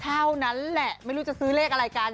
เท่านั้นแหละไม่รู้จะซื้อเลขอะไรกัน